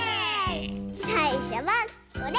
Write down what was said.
さいしょはこれ。